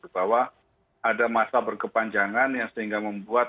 bahwa ada masa berkepanjangan yang sehingga membuat